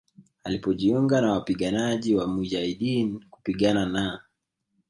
alipojiunga na wapiganaji wa mujahideen kupigana na